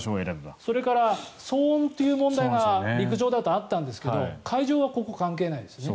それから、騒音という問題が陸上だとあったんですけど海上はここ、関係ないですね。